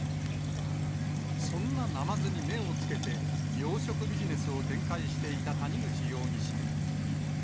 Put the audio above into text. そんなナマズに目をつけて、養殖ビジネスを展開していた谷口容疑者。